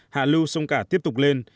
hạ lưu sông cả tiếp tục lên